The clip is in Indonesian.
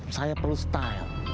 saya perlu style